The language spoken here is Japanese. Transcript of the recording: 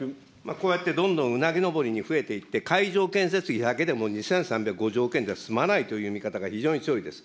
こうやってどんどんうなぎ上りに増えていって、会場建設費だけでも２３５０億円じゃ済まないという見方が非常に強いです。